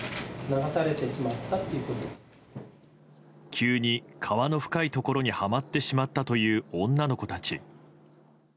急に、川の深いところにはまってしまったという女の子たち。